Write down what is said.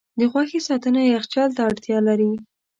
د غوښې ساتنه یخچال ته اړتیا لري.